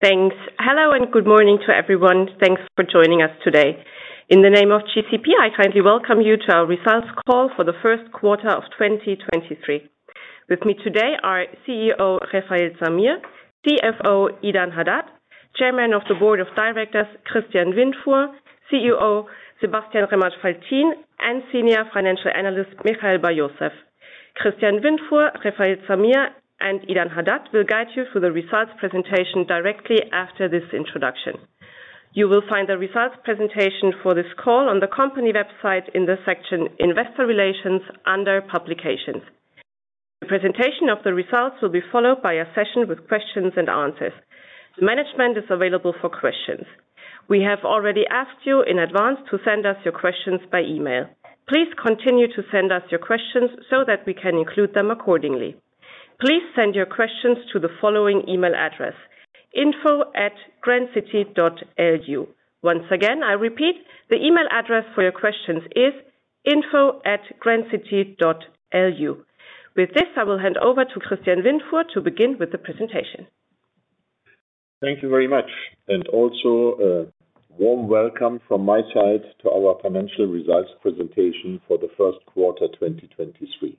Thanks. Hello, good morning to everyone. Thanks for joining us today. In the name of GCP, I kindly welcome you to our results call for the first quarter of 2023. With me today are CEO Refael Zamir, CFO Idan Hadad, Chairman of the Board of Directors Christian Windfuhr, COO Sebastian Remmert-Faltin, and Senior Financial Analyst Michael Bar-Yosef. Christian Windfuhr, Refael Zamir, and Idan Hadad will guide you through the results presentation directly after this introduction. You will find the results presentation for this call on the company website in the section Investor Relations under Publications. The presentation of the results will be followed by a session with questions-and-answers. The management is available for questions. We have already asked you in advance to send us your questions by email. Please continue to send us your questions so that we can include them accordingly. Please send your questions to the following email address, info@grandcity.lu. Once again, I repeat, the email address for your questions is info@grandcity.lu. With this, I will hand over to Christian Windfuhr to begin with the presentation. Thank you very much. Also, a warm welcome from my side to our financial results presentation for the first quarter 2023.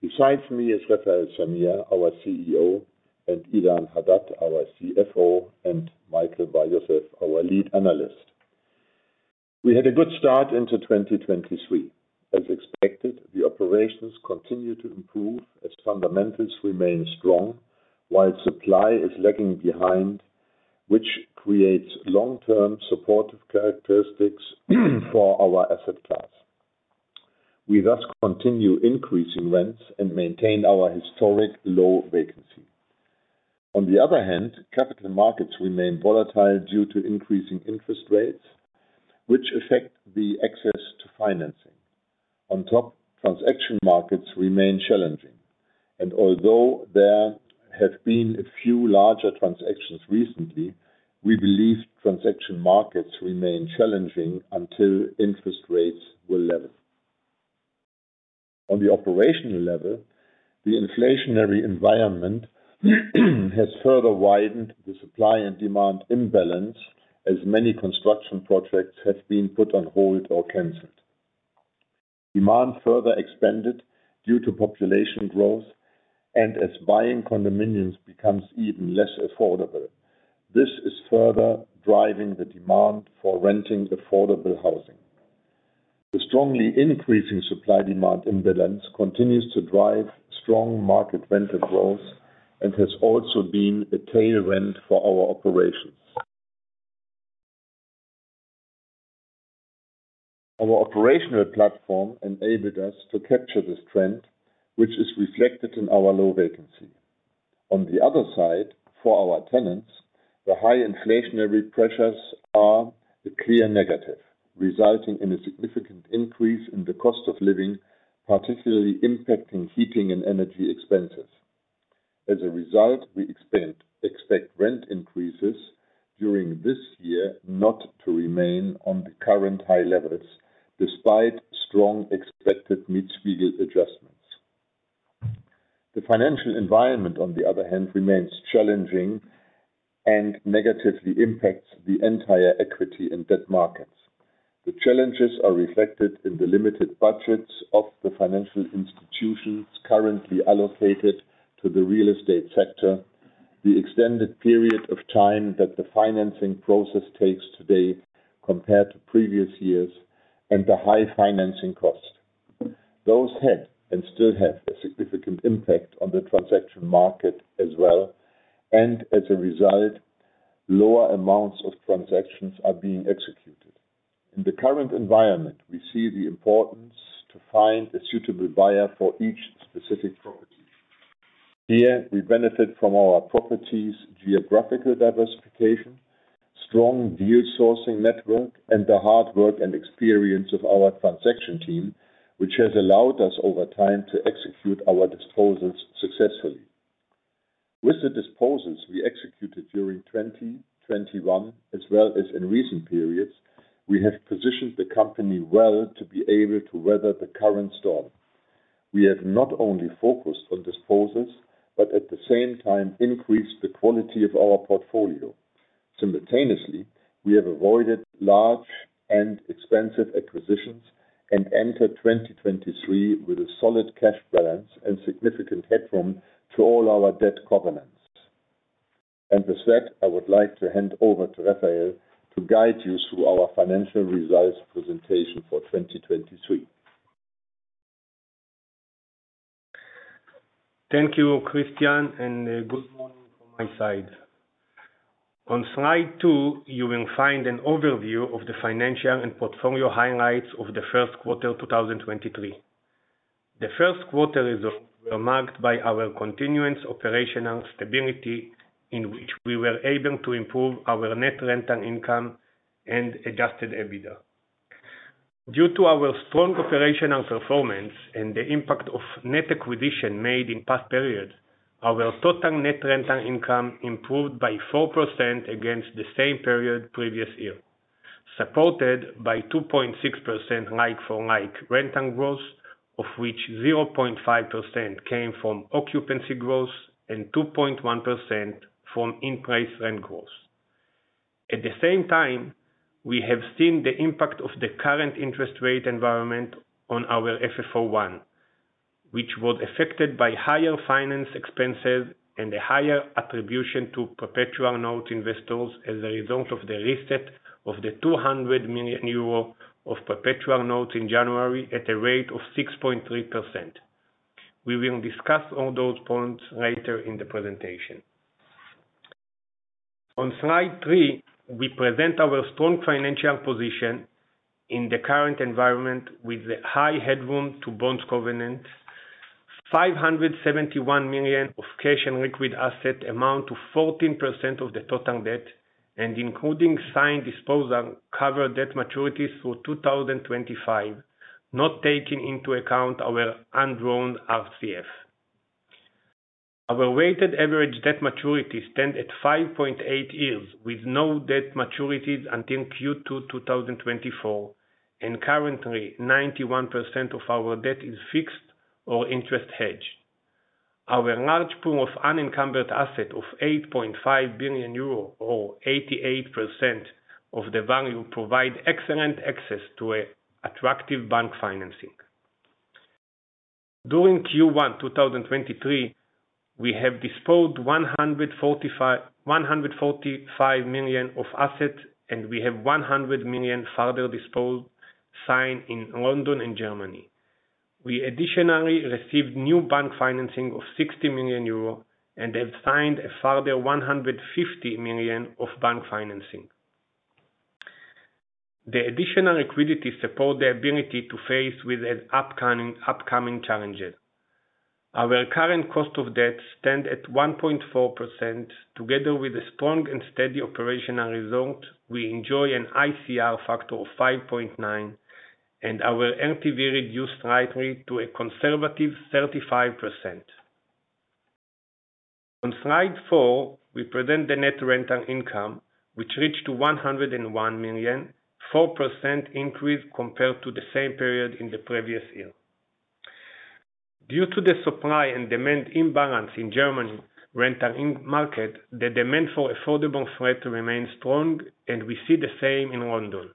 Besides me is Refael Zamir, our CEO, Idan Hadad, our CFO, and Michael Bar-Yosef, our lead analyst. We had a good start into 2023. As expected, the operations continue to improve as fundamentals remain strong, while supply is lagging behind, which creates long-term supportive characteristics for our asset class. We thus continue increasing rents and maintain our historic low vacancy. On the other hand, capital markets remain volatile due to increasing interest rates, which affect the access to financing. On top, transaction markets remain challenging. Although there have been a few larger transactions recently, we believe transaction markets remain challenging until interest rates will level. On the operational level, the inflationary environment has further widened the supply and demand imbalance, as many construction projects have been put on hold or canceled. Demand further expanded due to population growth, and as buying condominiums becomes even less affordable. This is further driving the demand for renting affordable housing. The strongly increasing supply-demand imbalance continues to drive strong market rental growth and has also been a tailwind for our operations. Our operational platform enabled us to capture this trend, which is reflected in our low vacancy. On the other side, for our tenants, the high inflationary pressures are a clear negative, resulting in a significant increase in the cost of living, particularly impacting heating and energy expenses. As a result, we expect rent increases during this year not to remain on the current high levels, despite strong expected Mietspiegel adjustments. The financial environment, on the other hand, remains challenging and negatively impacts the entire equity and debt markets. The challenges are reflected in the limited budgets of the financial institutions currently allocated to the real estate sector, the extended period of time that the financing process takes today compared to previous years, and the high financing cost. Those had and still have a significant impact on the transaction market as well, and as a result, lower amounts of transactions are being executed. In the current environment, we see the importance to find a suitable buyer for each specific property. Here, we benefit from our properties' geographical diversification, strong deal sourcing network, and the hard work and experience of our transaction team, which has allowed us over time to execute our disposals successfully. With the disposals we executed during 2021, as well as in recent periods, we have positioned the company well to be able to weather the current storm. We have not only focused on disposals, but at the same time increased the quality of our portfolio. Simultaneously, we have avoided large and expensive acquisitions, and enter 2023 with a solid cash balance and significant headroom to all our debt covenants. With that, I would like to hand over to Refael to guide you through our financial results presentation for 2023. Thank you, Christian, and good morning from my side. On slide two, you will find an overview of the financial and portfolio highlights of the first quarter 2023. The first quarter results were marked by our continuous operational stability, in which we were able to improve our net rental income and adjusted EBITDA. Due to our strong operational performance and the impact of net acquisition made in past periods, our total net rental income improved by 4% against the same period previous year. Supported by 2.6% like-for-like rental growth, of which 0.5% came from occupancy growth and 2.1% from in-place rent growth. At the same time, we have seen the impact of the current interest rate environment on our FFO 1, which was affected by higher finance expenses and a higher attribution to perpetual note investors as a result of the reset of the 200 million euro of perpetual notes in January at a rate of 6.3%. We will discuss all those points later in the presentation. On slide three, we present our strong financial position in the current environment with a high headroom to bonds covenant, 571 million of cash and liquid asset amount to 14% of the total debt, and including signed disposal cover debt maturities through 2025, not taking into account our undrawn RCF. Our weighted average debt maturity stands at 5.8 years, with no debt maturities until Q2 2024, and currently 91% of our debt is fixed or interest hedged. Our large pool of unencumbered assets of 8.5 billion euro, or 88% of the value, provides excellent access to attractive bank financing. During Q1 2023, we have disposed 145 million of assets, and we have 100 million further disposals signed in London and Germany. We additionally received new bank financing of 60 million euro and have signed a further 150 million of bank financing. The additional liquidity supports the ability to face with upcoming challenges. Our current cost of debt stands at 1.4%, together with a strong and steady operational result, we enjoy an ICR factor of 5.9, and our LTV reduced slightly to a conservative 35%. On slide four, we present the net rental income, which reached 101 million, 4% increase compared to the same period in the previous year. Due to the supply and demand imbalance in German rental market, the demand for affordable flats remains strong, and we see the same in London.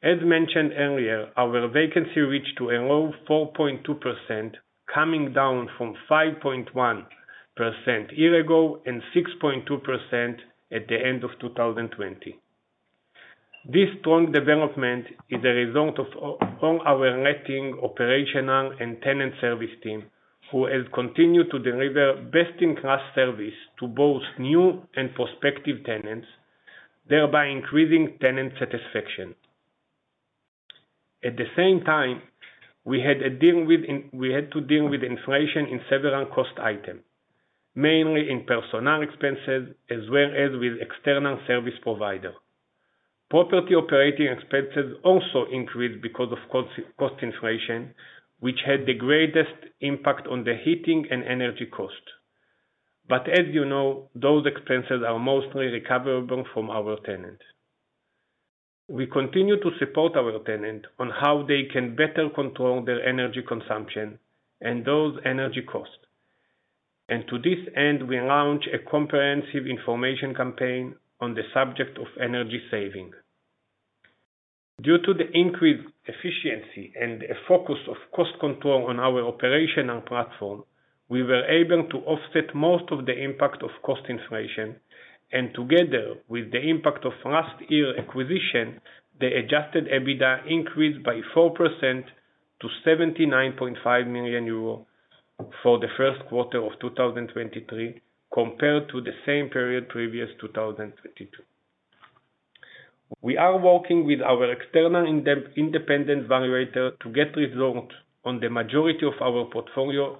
As mentioned earlier, our vacancy reached to a low 4.2%, coming down from 5.1% year ago and 6.2% at the end of 2020. This strong development is a result of all our letting operational and tenant service team, who has continued to deliver best-in-class service to both new and prospective tenants, thereby increasing tenant satisfaction. At the same time, we had to deal with inflation in several cost items, mainly in personnel expenses as well as with external service providers. Property operating expenses also increased because of cost inflation, which had the greatest impact on the heating and energy costs. As you know, those expenses are mostly recoverable from our tenants. We continue to support our tenants on how they can better control their energy consumption and those energy costs. To this end, we launched a comprehensive information campaign on the subject of energy saving. Due to the increased efficiency and a focus of cost control on our operational platform, we were able to offset most of the impact of cost inflation. Together with the impact of last year's acquisition, the adjusted EBITDA increased by 4% to 79.5 million euro for the first quarter of 2023, compared to the same period, previous 2022. We are working with our external independent valuator to get results on the majority of our portfolio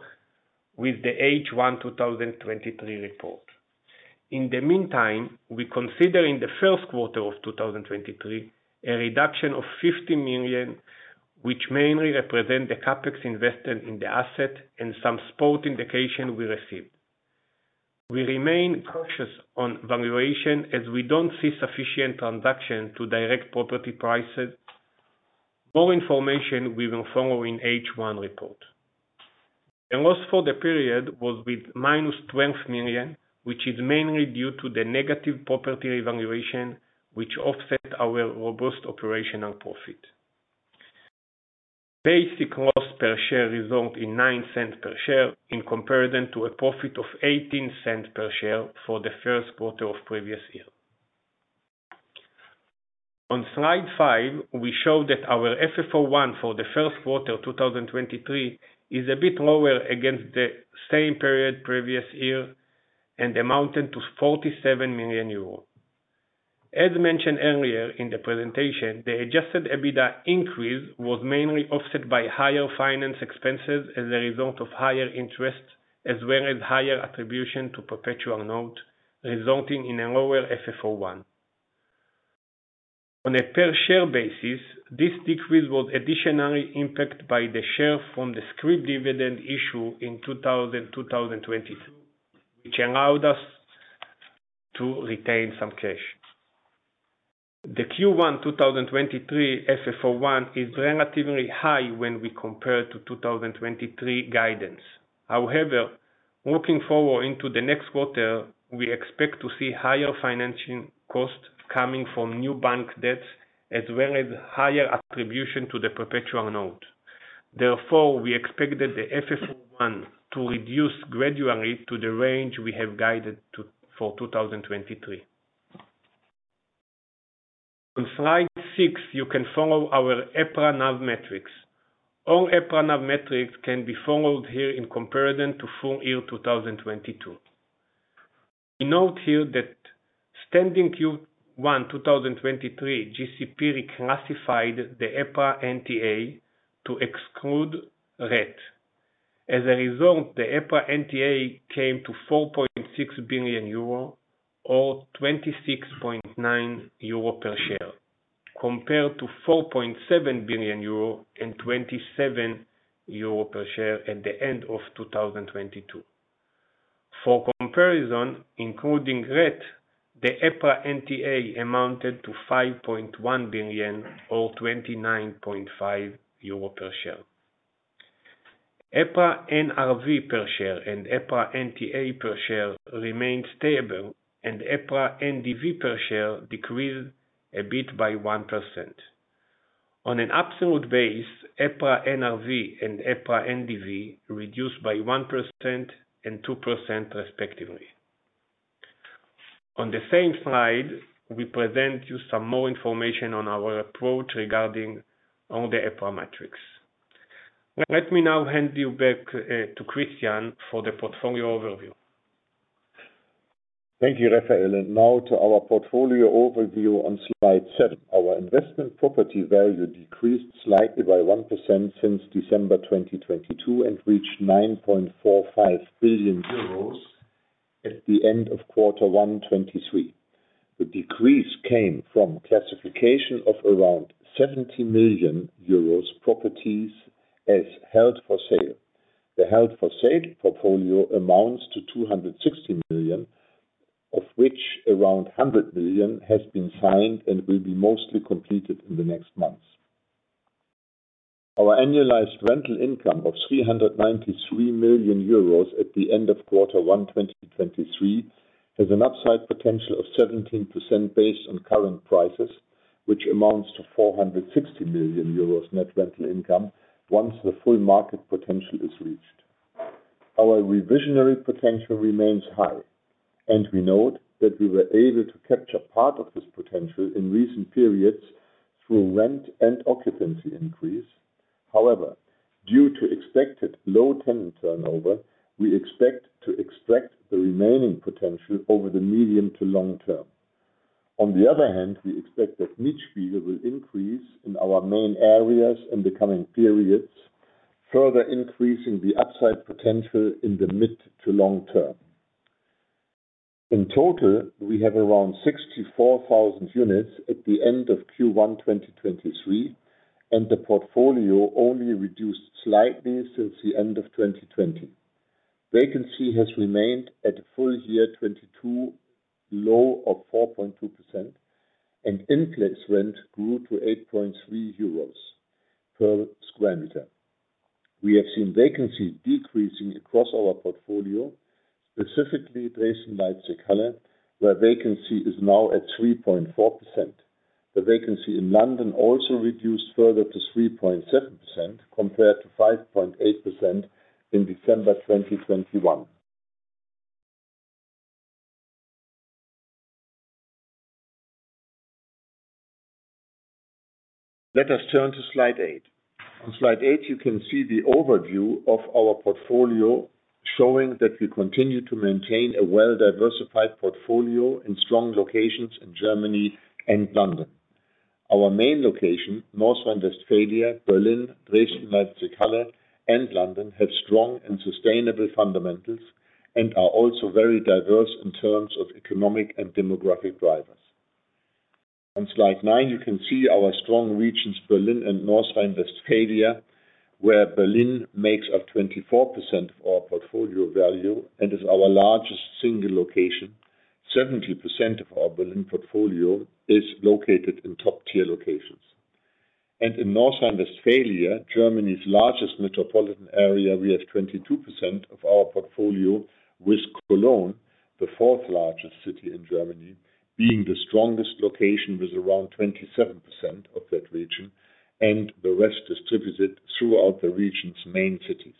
with the H1 2023 report. In the meantime, we consider in the first quarter of 2023, a reduction of 50 million, which mainly represents the CapEx invested in the assets and some spot indication we received. We remain cautious on valuation as we don't see sufficient transactions to direct property prices. More information will follow in H1 report. The loss for the period was -20 million, which is mainly due to the negative property valuation, which offset our robust operational profit. Basic loss per share resulted in 0.09 per share in comparison to a profit of 0.18 per share for the first quarter of previous year. On slide five, we show that our FFO 1 for the first quarter 2023 is a bit lower against the same period previous year and amounted to 47 million euros. As mentioned earlier in the presentation, the adjusted EBITDA increase was mainly offset by higher finance expenses as a result of higher interest, as well as higher attribution to perpetual notes, resulting in a lower FFO 1. On a per share basis, this decrease was additionally impacted by the share from the scrip dividend issue in 2022. Which allowed us to retain some cash. The Q1 2023 FFO 1 is relatively high when we compare to 2023 guidance. However, looking forward into the next quarter, we expect to see higher financing costs coming from new bank debts as well as higher attribution to the perpetual note. Therefore, we expect that the FFO 1 to reduce gradually to the range we have guided for 2023. On slide six, you can follow our EPRA NAV metrics. All EPRA NAV metrics can be followed here in comparison to full year 2022. We note here that standing Q1 2023, GCP reclassified the EPRA NTA to exclude RET. As a r esult, the EPRA NTA came to 4.6 billion euro or 26.9 euro per share, compared to 4.7 billion euro and 27 euro per share at the end of 2022. For comparison, including RET, the EPRA NTA amounted to 5.1 billion or 29.5 euro per share. EPRA NRV per share and EPRA NTA per share remained stable, and EPRA NDV per share decreased a bit by 1%. On an absolute base, EPRA NRV and EPRA NDV reduced by 1% and 2% respectively. On the same slide, we present you some more information on our approach regarding all the EPRA metrics. Let me now hand you back to Christian for the portfolio overview. Thank you, Refael. Now to our portfolio overview on slide seven. Our investment property value decreased slightly by 1% since December 2022 and reached 9.45 billion euros at the end of Q1 2023. The decrease came from classification of around 70 million euros properties as held for sale. The held for sale portfolio amounts to 260 million, of which around 100 million has been signed and will be mostly completed in the next months. Our annualized rental income of 393 million euros at the end of Q1 2023, has an upside potential of 17% based on current prices, which amounts to 460 million euros net rental income once the full market potential is reached. Our revisionary potential remains high, and we note that we were able to capture part of this potential in recent periods through rent and occupancy increase. However, due to expected low tenant turnover, we expect to extract the remaining potential over the medium to long term. On the other hand, we expect that Mietspiegel will increase in our main areas in the coming periods, further increasing the upside potential in the mid to long term. In total, we have around 64,000 units at the end of Q1 2023, and the portfolio only reduced slightly since the end of 2020. Vacancy has remained at full year 2022 low of 4.2%, and in-place rent grew to 8.3 euros per square meter. We have seen vacancies decreasing across our portfolio, specifically Dresden, Leipzig, Halle, where vacancy is now at 3.4%. The vacancy in London also reduced further to 3.7%, compared to 5.8% in December 2021. Let us turn to slide eight. On slide eight, you can see the overview of our portfolio showing that we continue to maintain a well-diversified portfolio in strong locations in Germany and London. Our main location, North Rhine Westphalia, Berlin, Dresden, Leipzig, Halle, and London, have strong and sustainable fundamentals and are also very diverse in terms of economic and demographic drivers. On slide nine, you can see our strong regions, Berlin and North Rhine Westphalia, where Berlin makes up 24% of our portfolio value and is our largest single location. 70% of our Berlin portfolio is located in top tier locations. In North Rhine Westphalia, Germany's largest metropolitan area, we have 22% of our portfolio with Cologne, the fourth largest city in Germany, being the strongest location with around 27% of that region, and the rest distributed throughout the region's main cities.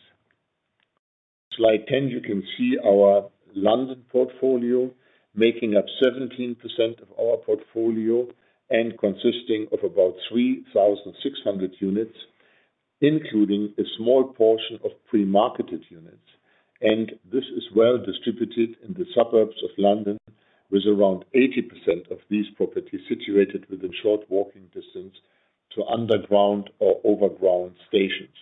Slide 10, you can see our London portfolio making up 17% of our portfolio and consisting of about 3,600 units, including a small portion of pre-marketed units. This is well distributed in the suburbs of London, with around 80% of these properties situated within short walking distance to underground or overground stations.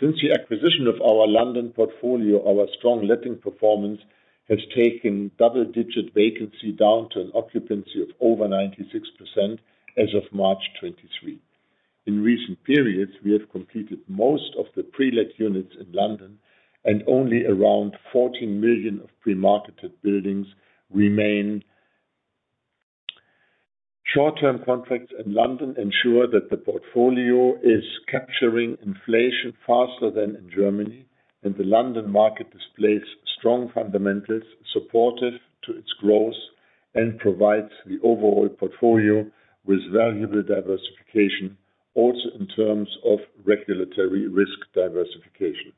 Since the acquisition of our London portfolio, our strong letting performance has taken double-digit vacancy down to an occupancy of over 96% as of March 2023. In recent periods, we have completed most of the prelet units in London, and only around 14 million of pre-marketed buildings remain. Short-term contracts in London ensure that the portfolio is capturing inflation faster than in Germany. The London market displays strong fundamentals supportive to its growth, and provides the overall portfolio with valuable diversification, also in terms of regulatory risk diversification.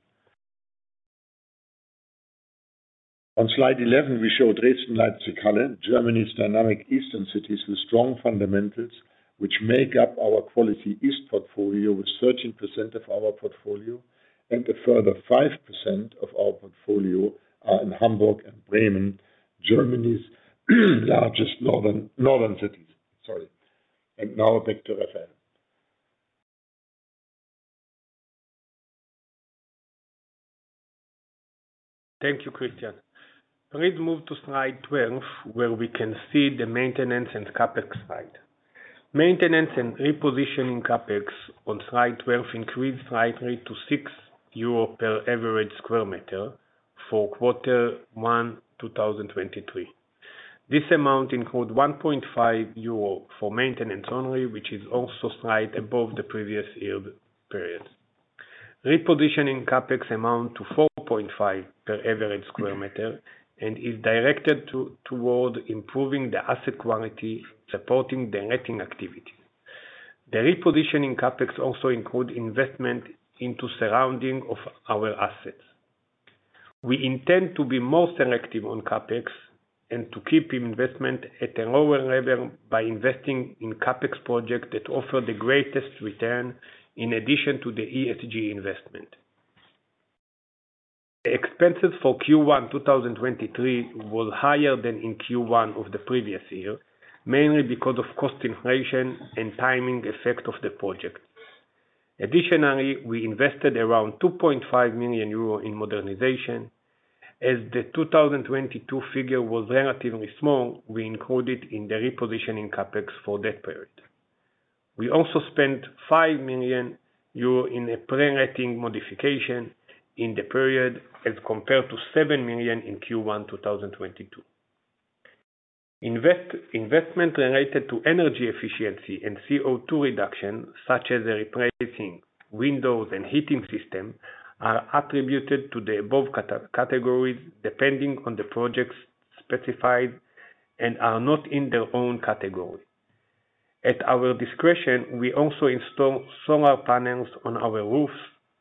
On slide 11, we show Dresden, Leipzig, Halle, Germany's dynamic eastern cities with strong fundamentals, which make up our quality east portfolio with 13% of our portfolio. A further 5% of our portfolio are in Hamburg and Bremen, Germany's largest northern cities. Sorry. Now back to Refael. Thank you, Christian. Please move to slide 12 where we can see the maintenance and CapEx slide. Maintenance and repositioning CapEx on slide 12 increased slightly to 6 euro per average square meter for quarter one 2023. This amount includes 1.5 euro for maintenance only, which is also slight above the previous year's period. Repositioning CapEx amount to 4.5 per average square meter and is directed toward improving the asset quality, supporting the letting activity. The repositioning CapEx also include investment into surrounding of our assets. We intend to be more selective on CapEx and to keep investment at a lower level by investing in CapEx projects that offer the greatest return in addition to the ESG investment. Expenses for Q1 2023 was higher than in Q1 of the previous year, mainly because of cost inflation and timing effect of the project. Additionally, we invested around 2.5 million euro in modernization. The 2022 figure was relatively small, we include it in the repositioning CapEx for that period. We also spent 5 million euro in a pre-letting modification in the period, as compared to 7 million in Q1 2022. Investment related to energy efficiency and CO2 reduction, such as replacing windows and heating system, are attributed to the above categories, depending on the projects specified and are not in their own category. At our discretion, we also install solar panels on our roofs.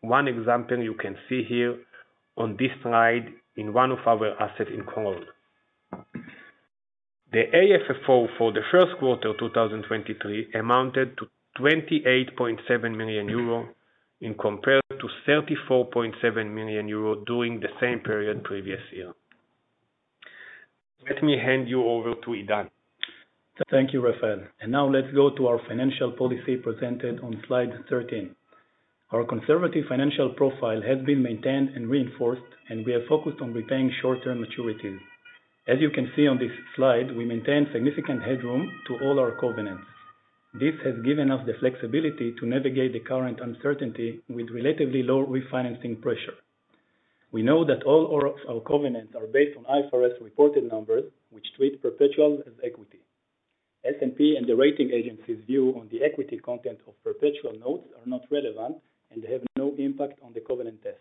One example you can see here on this slide in one of our asset in Cologne. The AFFO for the first quarter 2023 amounted to 28.7 million euro in compare to 34.7 million euro during the same period previous year. Let me hand you over to Idan. Thank you, Refael. Now let's go to our financial policy presented on slide 13. Our conservative financial profile has been maintained and reinforced, and we are focused on repaying short-term maturities. As you can see on this slide, we maintain significant headroom to all our covenants. This has given us the flexibility to navigate the current uncertainty with relatively low refinancing pressure. We know that all our covenants are based on IFRS reported numbers, which treat perpetual as equity. S&P and the rating agency's view on the equity content of perpetual notes are not relevant and have no impact on the covenant test.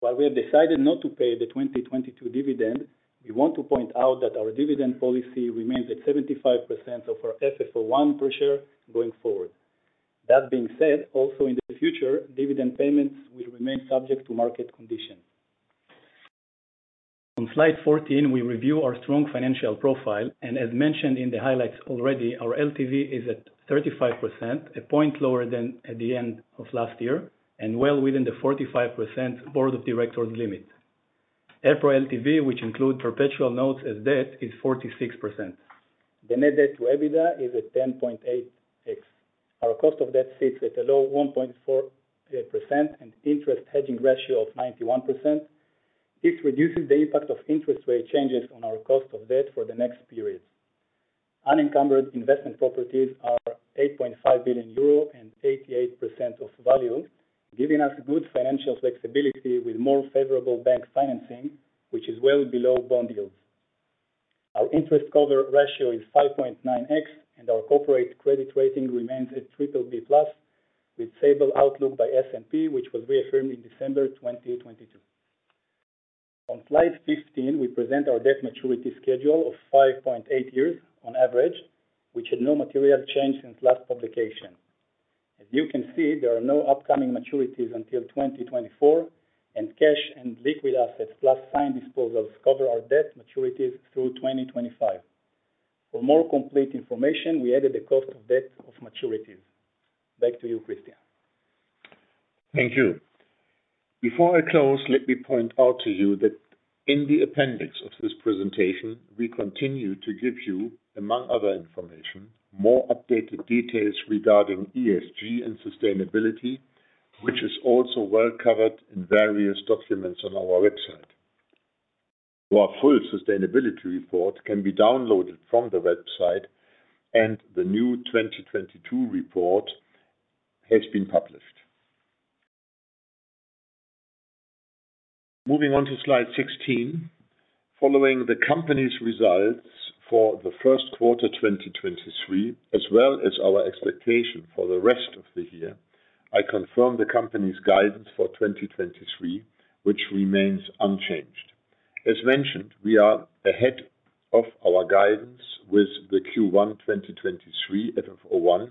While we have decided not to pay the 2022 dividend, we want to point out that our dividend policy remains at 75% of our AFFO 1 per share going forward. That being said, also in the future, dividend payments will remain subject to market conditions. On slide 14, we review our strong financial profile, and as mentioned in the highlights already, our LTV is at 35%, a point lower than at the end of last year, and well within the 45% Board of Directors limit. FFO LTV, which include perpetual notes as debt, is 46%. The net debt to EBITDA is at 10.8x. Our cost of debt sits at a low 1.4% and interest hedging ratio of 91%. This reduces the impact of interest rate changes on our cost of debt for the next periods. Unencumbered investment properties are 8.5 billion euro and 88% of value, giving us good financial flexibility with more favorable bank financing, which is well below bond yields. Our interest cover ratio is 5.9x, and our corporate credit rating remains at BBB+ with stable outlook by S&P, which was reaffirmed in December 2022. On slide 15, we present our debt maturity schedule of 5.8 years on average, which had no material change since last publication. As you can see, there are no upcoming maturities until 2024, and cash and liquid assets plus signed disposals cover our debt maturities through 2025. For more complete information, we added the cost of debt of maturities. Back to you, Christian. Thank you. Before I close, let me point out to you that in the appendix of this presentation, we continue to give you, among other information, more updated details regarding ESG and sustainability, which is also well covered in various documents on our website. Our full sustainability report can be downloaded from the website, and the new 2022 report has been published. Moving on to slide 16. Following the company's results for the first quarter 2023, as well as our expectation for the rest of the year, I confirm the company's guidance for 2023, which remains unchanged. As mentioned, we are ahead of our guidance with the Q1 2023 FFO 1,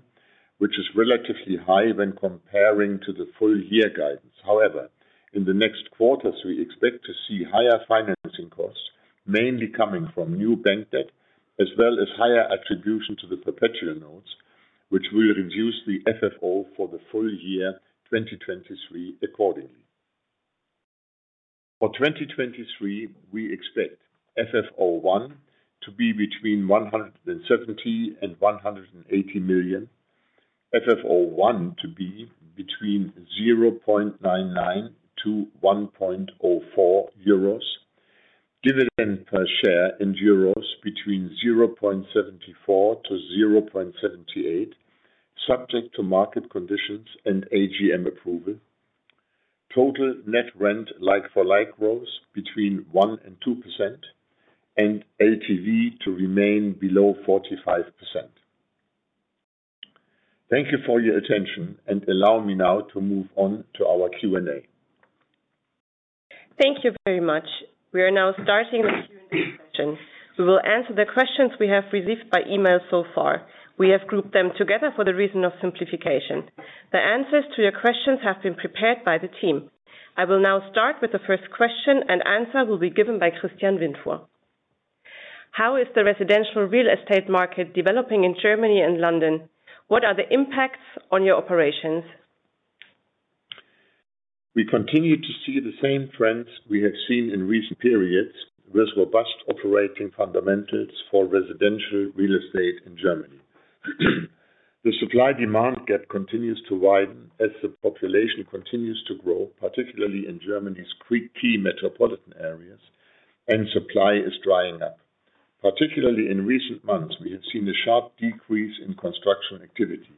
which is relatively high when comparing to the full year guidance. However, in the next quarters, we expect to see higher financing costs, mainly coming from new bank debt, as well as higher attribution to the perpetual notes, which will reduce the FFO for the full year 2023 accordingly. For 2023, we expect FFO 1 to be between 170 million and 180 million, FFO 1 to be between 0.99-1.04 euros, dividend per share in EUR between 0.74-0.78 euros, subject to market conditions and AGM approval. Total net rent like-for-like growth between 1%-2%, and LTV to remain below 45%. Thank you for your attention, and allow me now to move on to our Q&A. Thank you very much. We are now starting with Q&A questions. We will answer the questions we have received by email so far. We have grouped them together for the reason of simplification. The answers to your questions have been prepared by the team. I will now start with the first question, and answer will be given by Christian Windfuhr. How is the residential real estate market developing in Germany and London? What are the impacts on your operations? We continue to see the same trends we have seen in recent periods, with robust operating fundamentals for residential real estate in Germany. The supply-demand gap continues to widen as the population continues to grow, particularly in Germany's key metropolitan areas and supply is drying up. Particularly in recent months, we have seen a sharp decrease in construction activity.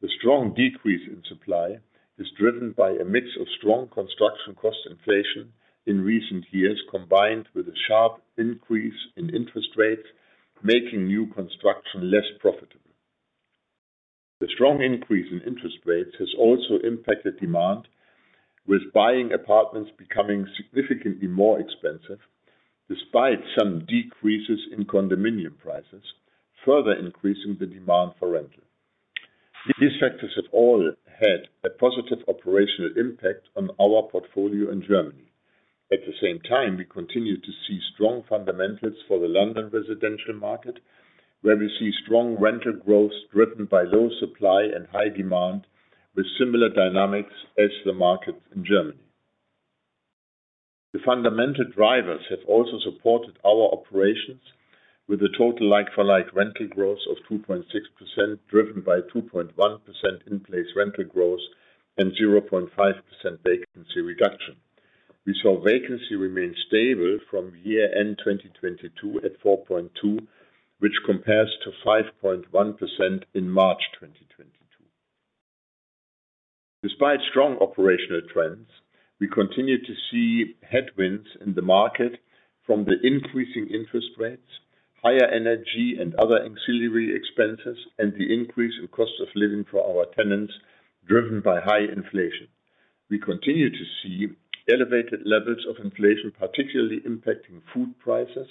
The strong decrease in supply is driven by a mix of strong construction cost inflation in recent years, combined with a sharp increase in interest rates, making new construction less profitable. The strong increase in interest rates has also impacted demand, with buying apartments becoming significantly more expensive, despite some decreases in condominium prices, further increasing the demand for rental. These factors have all had a positive operational impact on our portfolio in Germany. At the same time, we continue to see strong fundamentals for the London residential market, where we see strong rental growth driven by low supply and high demand, with similar dynamics as the market in Germany. The fundamental drivers have also supported our operations with a total like-for-like rental growth of 2.6%, driven by 2.1% in place rental growth and 0.5% vacancy reduction. We saw vacancy remain stable from year end 2022 at 4.2%, which compares to 5.1% in March 2022. Despite strong operational trends, we continue to see headwinds in the market from the increasing interest rates, higher energy and other ancillary expenses, and the increase in cost of living for our tenants driven by high inflation. We continue to see elevated levels of inflation, particularly impacting food prices,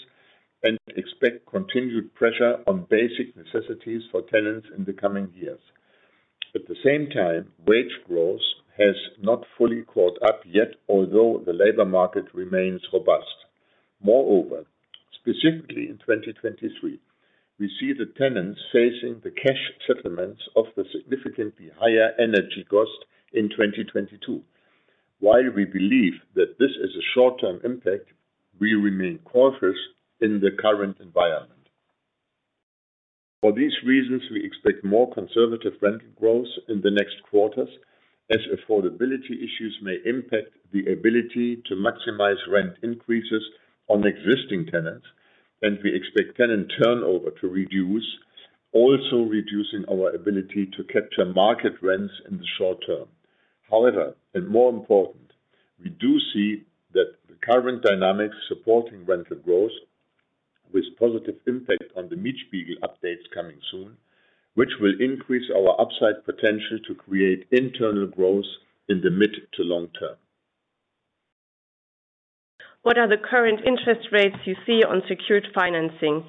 and expect continued pressure on basic necessities for tenants in the coming years. At the same time, wage growth has not fully caught up yet, although the labor market remains robust. Moreover, specifically in 2023, we see the tenants facing the cash settlements of the significantly higher energy cost in 2022. While we believe that this is a short-term impact, we remain cautious in the current environment. For these reasons, we expect more conservative rental growth in the next quarters as affordability issues may impact the ability to maximize rent increases on existing tenants, and we expect tenant turnover to reduce, also reducing our ability to capture market rents in the short term. However, and more important, we do see that the current dynamics supporting rental growth with positive impact on the Mietspiegel updates coming soon, which will increase our upside potential to create internal growth in the mid to long term. What are the current interest rates you see on secured financing?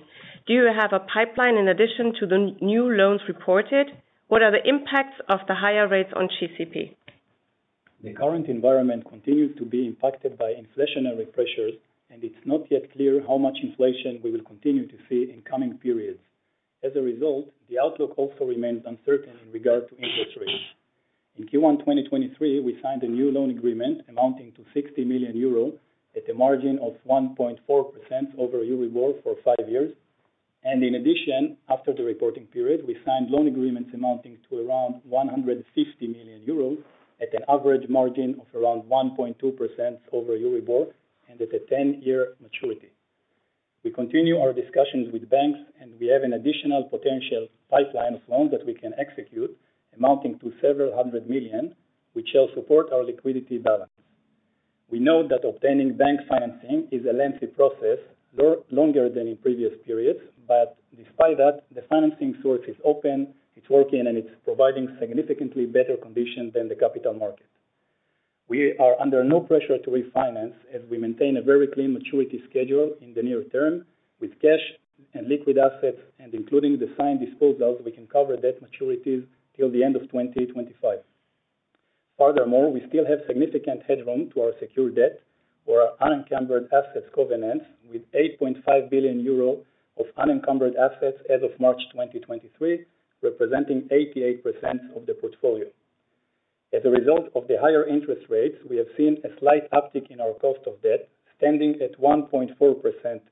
Do you have a pipeline in addition to the new loans reported? What are the impacts of the higher rates on GCP? The current environment continues to be impacted by inflationary pressures, and it's not yet clear how much inflation we will continue to see in coming periods. As a result, the outlook also remains uncertain in regard to interest rates. In Q1 2023, we signed a new loan agreement amounting to 60 million euro at a margin of 1.4% over EURIBOR for five years. In addition, after the reporting period, we signed loan agreements amounting to around 150 million euros at an average margin of around 1.2% over EURIBOR and at a 10-year maturity. We continue our discussions with banks, and we have an additional potential pipeline of loans that we can execute amounting to several hundred million, which shall support our liquidity balance. We know that obtaining bank financing is a lengthy process, longer than in previous periods, but despite that, the financing source is open, it's working, and it's providing significantly better condition than the capital market. We are under no pressure to refinance as we maintain a very clean maturity schedule in the near term. With cash and liquid assets and including the signed disposals, we can cover debt maturities till the end of 2025. Furthermore, we still have significant headroom to our secure debt or our unencumbered assets covenants with 8.5 billion euro of unencumbered assets as of March 2023, representing 88% of the portfolio. As a result of the higher interest rates, we have seen a slight uptick in our cost of debt, standing at 1.4%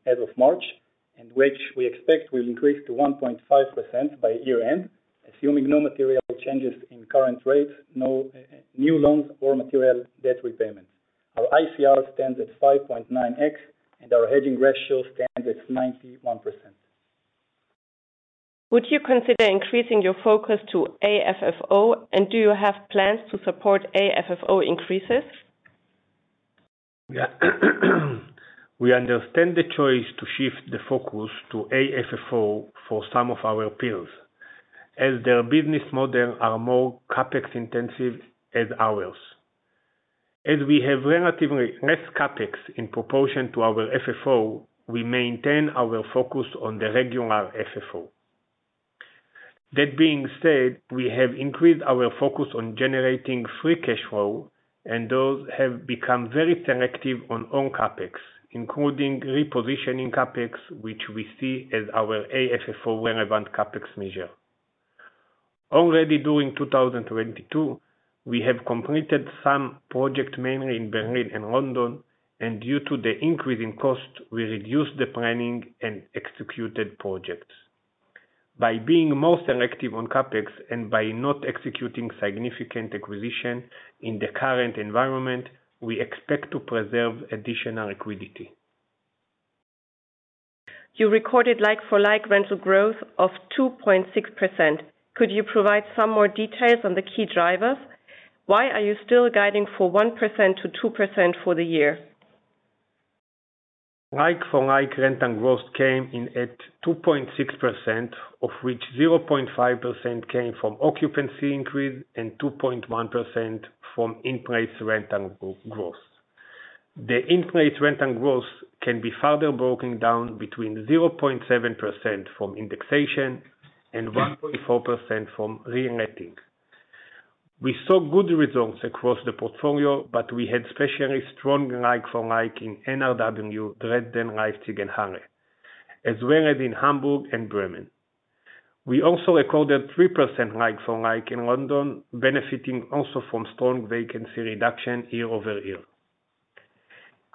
as of March, and which we expect will increase to 1.5% by year-end, assuming no material changes in current rates, no new loans or material debt repayments. Our ICR stands at 5.9x and our hedging ratio stands at 91%. Would you consider increasing your focus to AFFO, and do you have plans to support AFFO increases? Yeah. We understand the choice to shift the focus to AFFO for some of our peers, as their business model are more CapEx intensive as ours. As we have relatively less CapEx in proportion to our FFO, we maintain our focus on the regular FFO. That being said, we have increased our focus on generating free cash flow, and those have become very selective on own CapEx, including repositioning CapEx, which we see as our AFFO relevant CapEx measure. Already during 2022, we have completed some project, mainly in Berlin and London, and due to the increase in cost, we reduced the planning and executed projects. By being more selective on CapEx and by not executing significant acquisition in the current environment, we expect to preserve additional liquidity. You recorded like-for-like rental growth of 2.6%. Could you provide some more details on the key drivers? Why are you still guiding for 1%-2% for the year? Like-for-like rent and growth came in at 2.6%, of which 0.5% came from occupancy increase and 2.1% from in-place rent and growth. The in-place rent and growth can be further broken down between 0.7% from indexation and 1.4% from reletting. We saw good results across the portfolio, but we had especially strong like-for-like in NRW, Dresden, Leipzig, and Halle, as well as in Hamburg and Bremen. We also recorded 3% like-for-like in London, benefiting also from strong vacancy reduction year-over-year.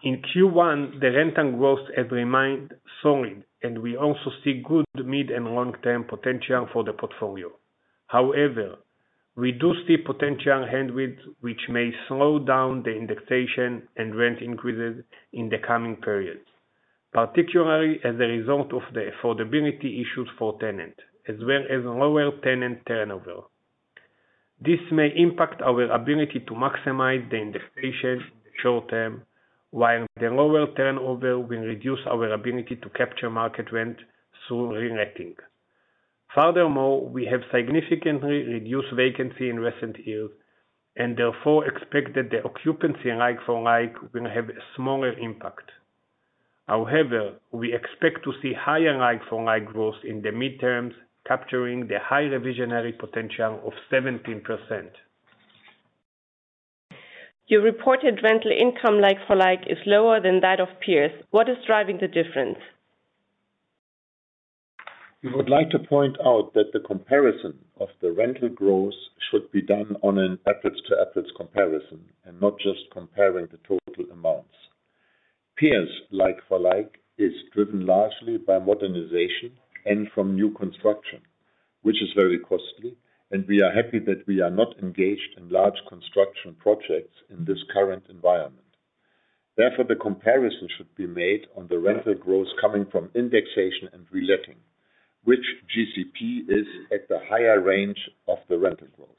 In Q1, the rent and growth have remained solid, and we also see good mid and long-term potential for the portfolio. However, we do see potential headwinds which may slow down the indexation and rent increases in the coming periods, particularly as a result of the affordability issues for tenant, as well as lower tenant turnover. This may impact our ability to maximize the indexation in the short term, while the lower turnover will reduce our ability to capture market rent through reletting. Furthermore, we have significantly reduced vacancy in recent years, and therefore expect that the occupancy like-for-like will have a smaller impact. However, we expect to see higher like-for-like growth in the midterms, capturing the high revisionary potential of 17%. Your reported rental income like-for-like is lower than that of peers. What is driving the difference? We would like to point out that the comparison of the rental growth should be done on an apples-to-apples comparison and not just comparing the total amounts. Peers like-for-like is driven largely by modernization and from new construction, which is very costly, and we are happy that we are not engaged in large construction projects in this current environment. Therefore, the comparison should be made on the rental growth coming from indexation and reletting, which GCP is at the higher range of the rental growth.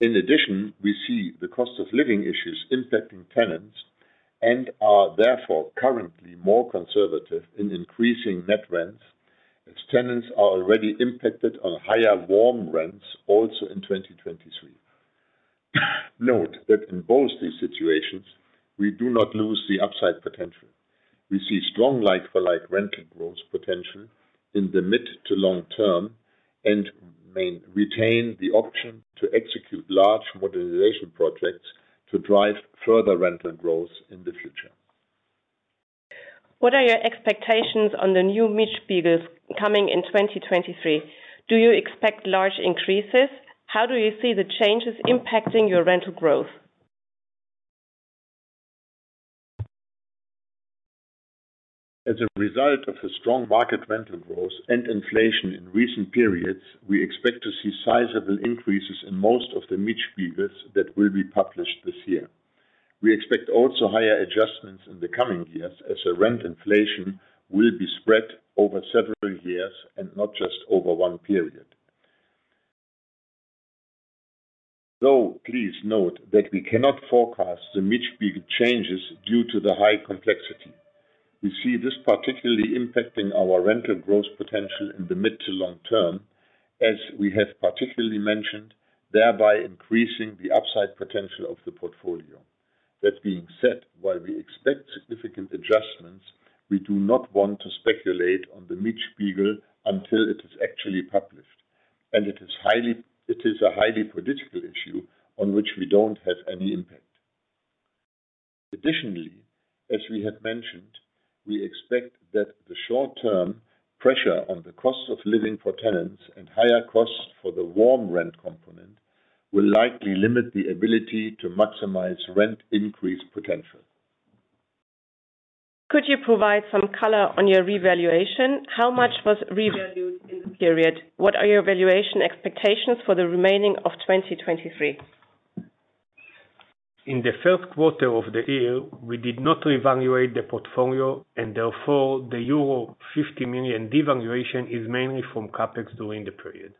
In addition, we see the cost of living issues impacting tenants and are therefore currently more conservative in increasing net rents as tenants are already impacted on higher warm rents also in 2023. Note that in both these situations, we do not lose the upside potential. We see strong like-for-like rental growth potential in the mid- to long-term, and retain the option to execute large modernization projects to drive further rental growth in the future. What are your expectations on the new Mietspiegels coming in 2023? Do you expect large increases? How do you see the changes impacting your rental growth? As a result of the strong market rental growth and inflation in recent periods, we expect to see sizable increases in most of the Mietspiegels that will be published this year. We expect also higher adjustments in the coming years as the rent inflation will be spread over several years and not just over one period. Though, please note that we cannot forecast the Mietspiegel changes due to the high complexity. We see this particularly impacting our rental growth potential in the mid- to long-term, as we have particularly mentioned, thereby increasing the upside potential of the portfolio. That being said, while we expect significant adjustments, we do not want to speculate on the Mietspiegel until it is actually published, and it is a highly political issue on which we don't have any impact. Additionally, as we have mentioned, we expect that the short term pressure on the cost of living for tenants and higher costs for the warm rent component will likely limit the ability to maximize rent increase potential. Could you provide some color on your revaluation? How much was revalued in the period? What are your valuation expectations for the remaining of 2023? In the first quarter of the year, we did not revaluate the portfolio and therefore the euro 50 million devaluation is mainly from CapEx during the period.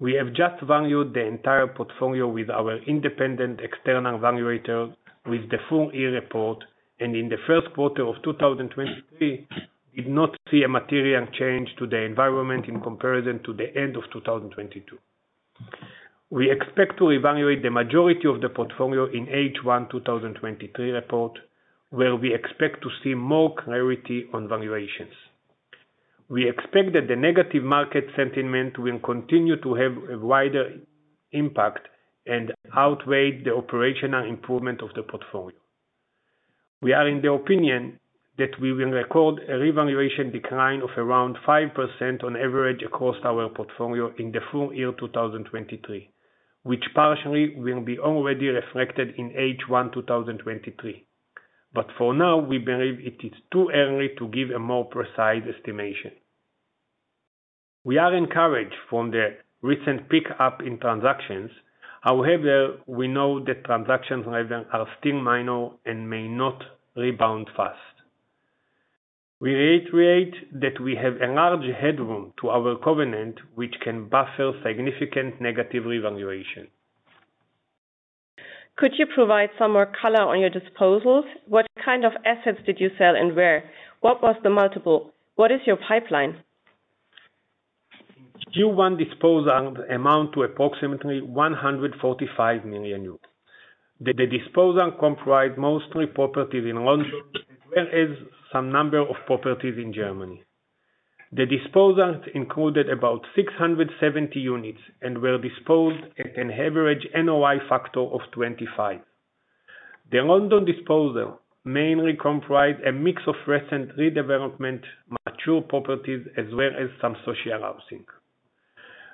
We have just valued the entire portfolio with our independent external valuator with the full year report, and in the first quarter of 2023 did not see a material change to the environment in comparison to the end of 2022. We expect to revaluate the majority of the portfolio in H1 2023 report, where we expect to see more clarity on valuations. We expect that the negative market sentiment will continue to have a wider impact and outweigh the operational improvement of the portfolio. We are in the opinion that we will record a revaluation decline of around 5% on average across our portfolio in the full year 2023, which partially will be already reflected in H1 2023. For now, we believe it is too early to give a more precise estimation. We are encouraged from the recent pick up in transactions. However, we know that transactions levels are still minor and may not rebound fast. We reiterate that we have a large headroom to our covenant, which can buffer significant negative revaluation. Could you provide some more color on your disposals? What kind of assets did you sell and where? What was the multiple? What is your pipeline? In Q1 disposals amount to approximately 145 million units. The disposal comprised mostly properties in London as well as some number of properties in Germany. The disposals included about 670 units and were disposed at an average NOI factor of 25. The London disposal mainly comprised a mix of recent redevelopment, mature properties as well as some social housing.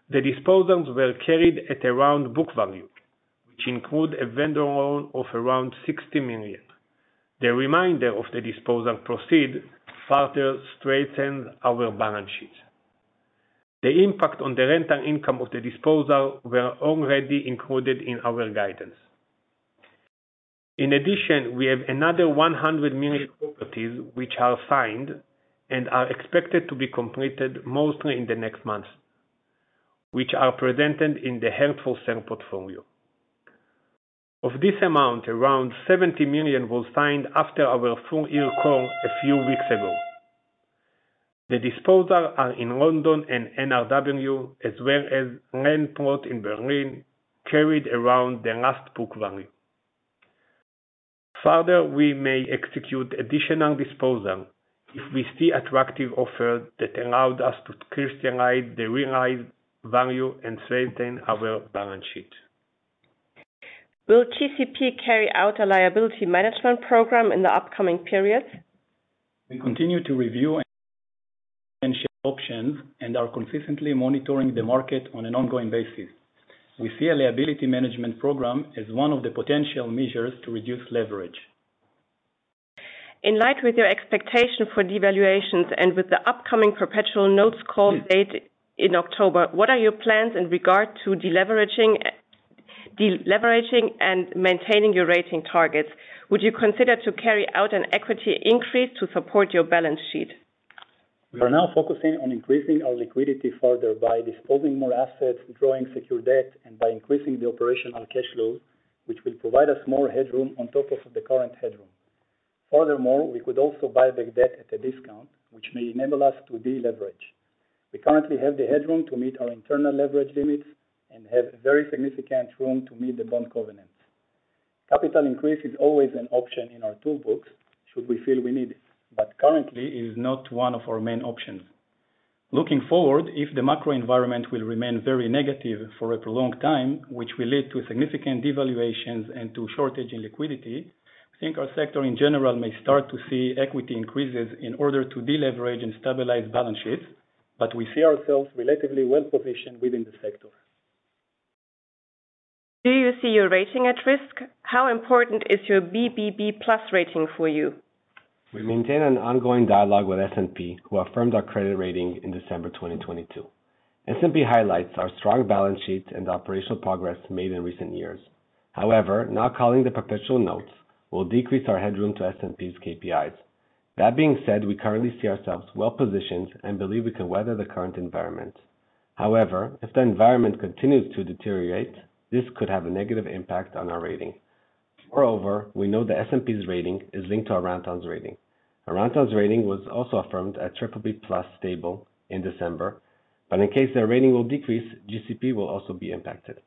The disposals were carried at around book value, which include a vendor loan of around 60 million. The remainder of the disposal proceeds further strengthens our balance sheet. The impact on the rental income of the disposal was already included in our guidance. In addition, we have another 100 million properties which are signed and are expected to be completed mostly in the next months, which are presented in the held-for-sale portfolio. Of this amount, around 70 million was signed after our full year call a few weeks ago. The disposals are in London and NRW, as well as land plot in Berlin, carried around the last book value. Further, we may execute additional disposals if we see attractive offers that allow us to crystallize the realized value and strengthen our balance sheet. Will GCP carry out a liability management program in the upcoming periods? We continue to review potential options and are consistently monitoring the market on an ongoing basis. We see a liability management program as one of the potential measures to reduce leverage. In light of your expectation for devaluations and with the upcoming perpetual notes call date in October, what are your plans in regard to deleveraging and maintaining your rating targets? Would you consider to carry out an equity increase to support your balance sheet? We are now focusing on increasing our liquidity further by disposing more assets, drawing secure debt, and by increasing the operational cash flow, which will provide us more headroom on top of the current headroom. Furthermore, we could also buy back debt at a discount, which may enable us to deleverage. We currently have the headroom to meet our internal leverage limits and have very significant room to meet the bond covenants. Capital increase is always an option in our toolbox, should we feel we need it, but currently it is not one of our main options. Looking forward, if the macro environment will remain very negative for a prolonged time, which will lead to significant devaluations and to shortage in liquidity, I think our sector in general may start to see equity increases in order to deleverage and stabilize balance sheets. We see ourselves relatively well-positioned within the sector. Do you see your rating at risk? How important is your BBB+ rating for you? We maintain an ongoing dialogue with S&P, who affirmed our credit rating in December 2022. S&P highlights our strong balance sheet and the operational progress made in recent years. Not calling the perpetual notes will decrease our headroom to S&P's KPIs. That being said, we currently see ourselves well-positioned and believe we can weather the current environment. If the environment continues to deteriorate, this could have a negative impact on our rating. We know that S&P's rating is linked to Aroundtown's rating. Aroundtown's rating was also affirmed at BBB+ stable in December, but in case their rating will decrease, GCP will also be impacted.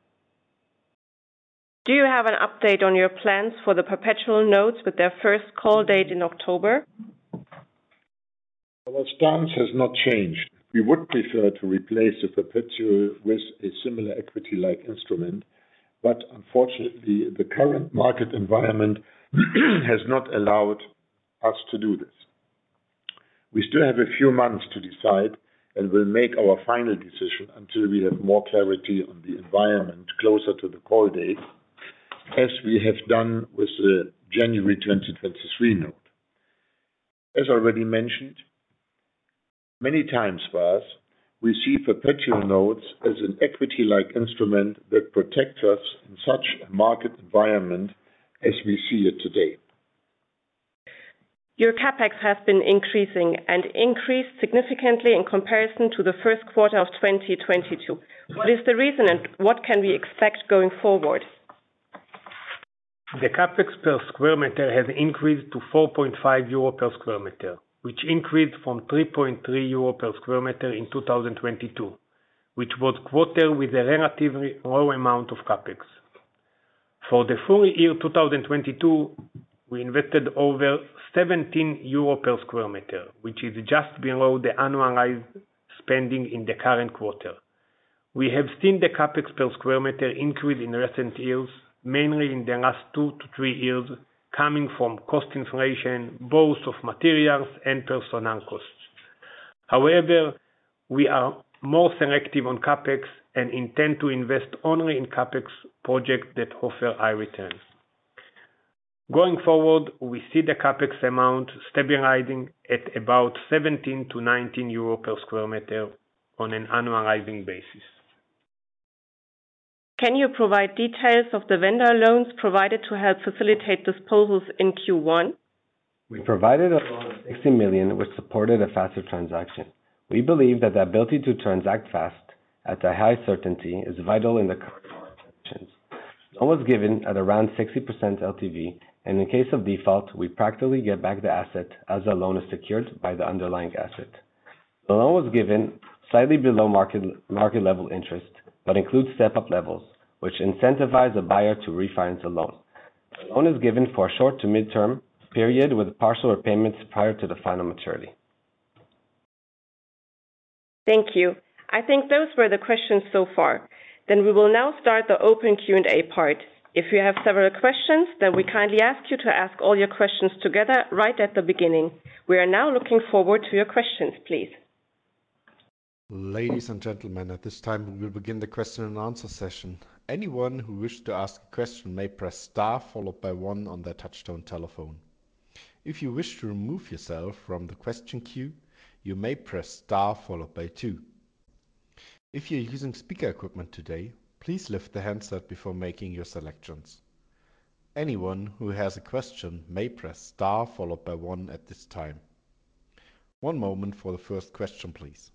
Do you have an update on your plans for the perpetual notes with their first call date in October? Our stance has not changed. We would prefer to replace the perpetual with a similar equity-like instrument, but unfortunately, the current market environment has not allowed us to do this. We still have a few months to decide, and we'll make our final decision until we have more clarity on the environment closer to the call date, as we have done with the January 2023 note. As already mentioned many times for us, we see perpetual notes as an equity-like instrument that protects us in such a market environment as we see it today. Your CapEx has been increasing and increased significantly in comparison to the first quarter of 2022. What is the reason, and what can we expect going forward? The CapEx per square meter has increased to 4.5 euro per square meter, which increased from 3.3 euro per square meter in 2022, which was quarter with a relatively low amount of CapEx. For the full year 2022, we invested over 17 euro per square meter, which is just below the annualized spending in the current quarter. We have seen the CapEx per square meter increase in recent years, mainly in the last two to three years, coming from cost inflation, both of materials and personal costs. However, we are more selective on CapEx and intend to invest only in CapEx projects that offer high returns. Going forward, we see the CapEx amount stabilizing at about 17-19 euro per square meter on an annualizing basis. Can you provide details of the vendor loans provided to help facilitate disposals in Q1? We provided a loan of 60 million, which supported a faster transaction. We believe that the ability to transact fast at a high certainty is vital in the current market conditions. The loan was given at around 60% LTV, and in case of default, we practically get back the asset as the loan is secured by the underlying asset. The loan was given slightly below market level interest, but includes step-up levels, which incentivize the buyer to refinance the loan. The loan is given for a short to mid-term period with partial repayments prior to the final maturity. Thank you. I think those were the questions so far. We will now start the open Q&A part. If you have several questions, then we kindly ask you to ask all your questions together right at the beginning. We are now looking forward to your questions, please. Ladies and gentlemen, at this time, we will begin the question-and-answer session. Anyone who wishes to ask a question may press star followed by one on their touchtone telephone. If you wish to remove yourself from the question queue, you may press star followed by two. If you're using speaker equipment today, please lift the handset before making your selections. Anyone who has a question may press star followed by one at this time. One moment for the first question, please.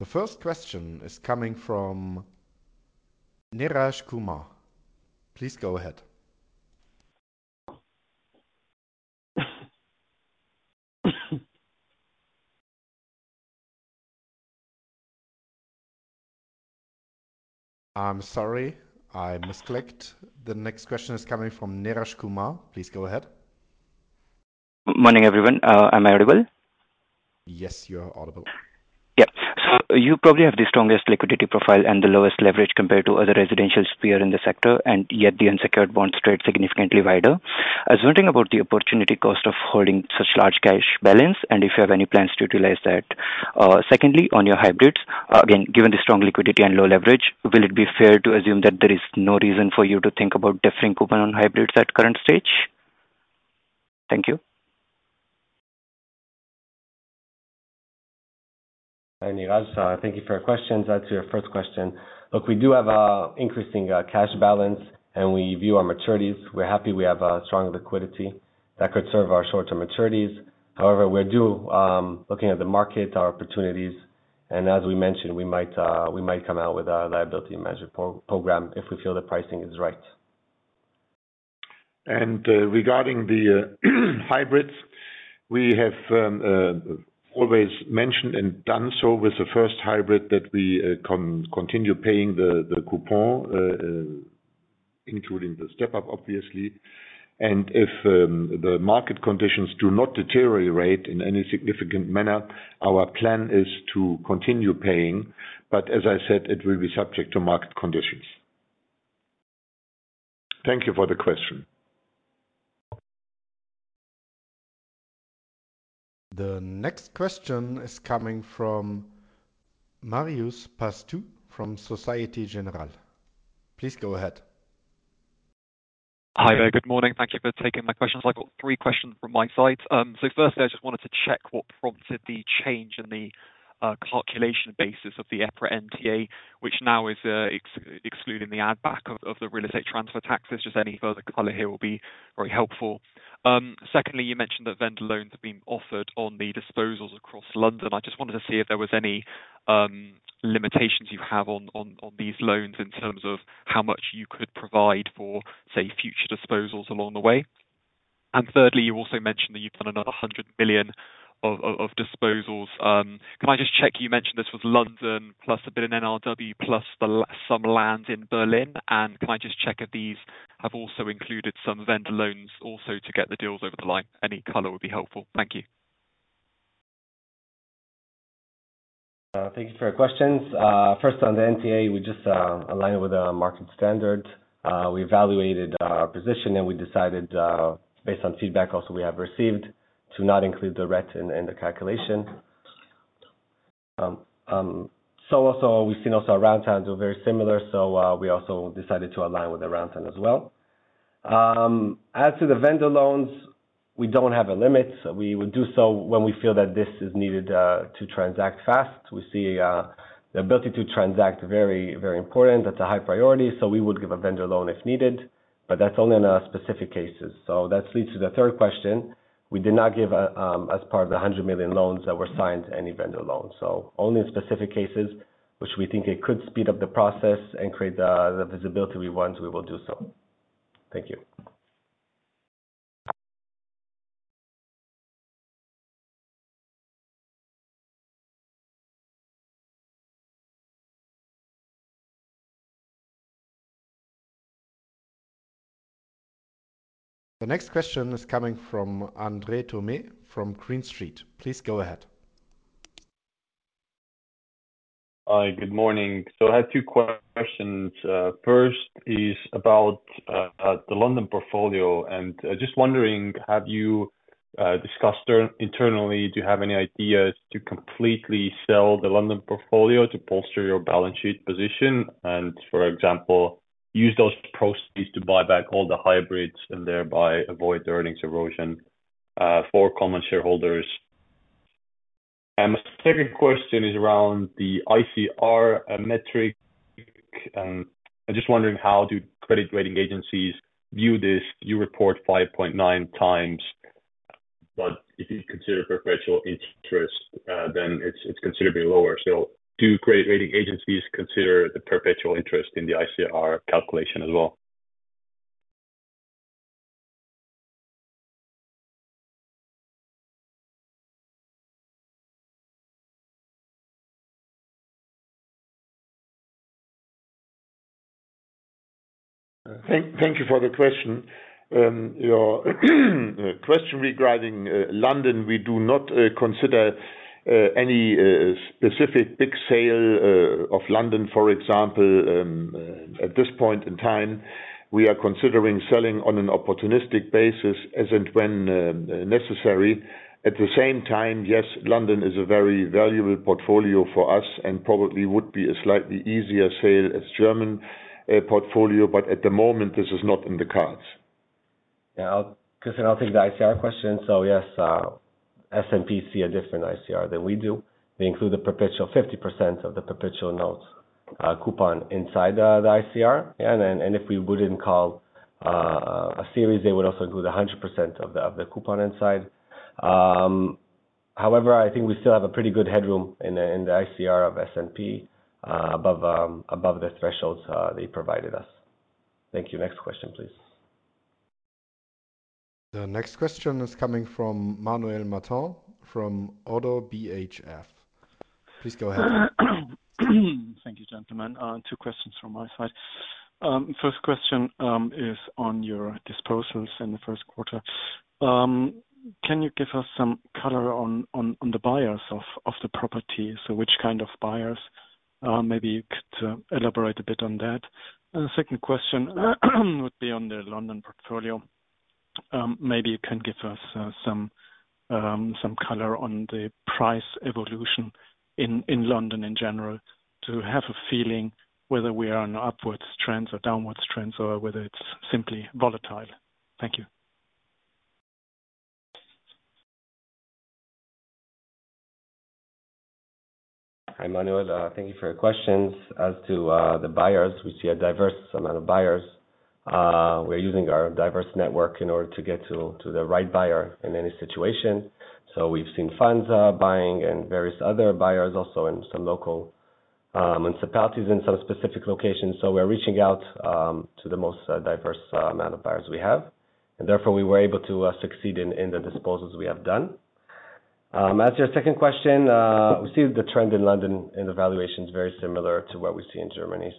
The first question is coming from Neeraj Kumar. Please go ahead. I'm sorry. I misclicked. The next question is coming from Neeraj Kumar. Please go ahead. Morning, everyone. Am I audible? Yes, you are audible. Yeah. You probably have the strongest liquidity profile and the lowest leverage compared to other residential sphere in the sector, and yet the unsecured bond spread significantly wider. I was wondering about the opportunity cost of holding such large cash balance, and if you have any plans to utilize that. Secondly, on your hybrids, again, given the strong liquidity and low leverage, will it be fair to assume that there is no reason for you to think about deferring coupon on hybrids at current stage? Thank you. Hi, Neeraj. Thank you for your questions. To your first question. We do have increasing cash balance, and we view our maturities. We're happy we have a strong liquidity that could serve our short-term maturities. However, we are looking at the market, our opportunities, and as we mentioned, we might come out with a liability management program if we feel the pricing is right. Regarding the hybrids, we have always mentioned and done so with the first hybrid that we continue paying the coupon, including the step-up, obviously. If the market conditions do not deteriorate in any significant manner, our plan is to continue paying. As I said, it will be subject to market conditions. Thank you for the question. The next question is coming from Marios Pastou from Societe Generale. Please go ahead. Hi there. Good morning. Thank you for taking my questions. I have got three questions from my side. Firstly, I just wanted to check what prompted the change in the calculation basis of the EPRA NTA, which now is excluding the add back of the real estate transfer tax. Any further color here will be very helpful. Secondly, you mentioned that vendor loans have been offered on the disposals across London. I just wanted to see if there was any limitations you have on these loans in terms of how much you could provide for, say, future disposals along the way. Thirdly, you also mentioned that you have done another 100 million of disposals. Can I just check, you mentioned this was London plus a bit in NRW, plus some land in Berlin. Can I just check if these have also included some vendor loans also to get the deals over the line? Any color would be helpful. Thank you. Thank you for your questions. First, on the NTA, we just align it with the market standard. We evaluated our position and we decided, based on feedback also we have received, to not include the RET in the calculation. Also, we have seen Aroundtown are very similar, we also decided to align with Aroundtown as well. As to the vendor loans, we do not have a limit. We would do so when we feel that this is needed to transact fast. We see the ability to transact very important. That is a high priority. We would give a vendor loan if needed, but that is only in specific cases. That leads to the third question. We did not give, as part of the 100 million loans that were signed, any vendor loans. Only in specific cases which we think it could speed up the process and create the visibility we want, we will do so. Thank you. The next question is coming from Andres Toome from Green Street. Please go ahead. Hi. Good morning. I have two questions. First is about the London portfolio, and just wondering, have you discussed internally, do you have any ideas to completely sell the London portfolio to bolster your balance sheet position and, for example, use those proceeds to buy back all the hybrids and thereby avoid the earnings erosion for common shareholders? My second question is around the ICR metric. I'm just wondering how do credit rating agencies view this? You report 5.9 times, but if you consider perpetual interest, it's considerably lower. Do credit rating agencies consider the perpetual interest in the ICR calculation as well? Thank you for the question. Your question regarding London, we do not consider any specific big sale of London, for example. At this point in time, we are considering selling on an opportunistic basis as and when necessary. At the same time, yes, London is a very valuable portfolio for us and probably would be a slightly easier sale as German portfolio. At the moment, this is not in the cards. Christian, I'll take the ICR question. Yes, S&P see a different ICR than we do. They include the 50% of the perpetual notes coupon inside the ICR. If we wouldn't call a series, they would also include 100% of the coupon inside. However, I think we still have a pretty good headroom in the ICR of S&P above the thresholds they provided us. Thank you. Next question, please. The next question is coming from Manuel Martin from ODDO BHF. Please go ahead. Thank you, gentlemen. Two questions from my side. First question is on your disposals in the first quarter. Can you give us some color on the buyers of the property? Which kind of buyers? Maybe you could elaborate a bit on that. The second question would be on the London portfolio. Maybe you can give us some color on the price evolution in London in general to have a feeling whether we are on upwards trends or downwards trends or whether it's simply volatile. Thank you. Hi, Manuel. Thank you for your questions. As to the buyers, we see a diverse amount of buyers. We're using our diverse network in order to get to the right buyer in any situation. We've seen funds buying and various other buyers also in some local municipalities in some specific locations. We are reaching out to the most diverse amount of buyers we have, and therefore we were able to succeed in the disposals we have done. As to your second question, we see the trend in London in the valuations very similar to what we see in Germany.